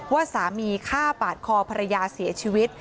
ว่าสามีฆ่าปาดคอภรรยาเสียชีวิต